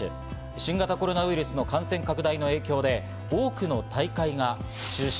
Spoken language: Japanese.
新型コロナウイルスの感染拡大の影響で多くの大会が中止。